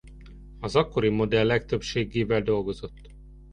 Az akkori modellek többségével dolgozott.